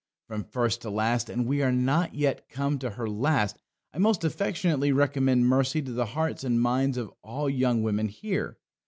From first to last and we are not yet come to her last I most affectionately recommend Mercy to the hearts and minds of all young women here.